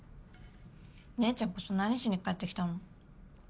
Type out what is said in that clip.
姉ちゃんこそ何しに帰ってきたの？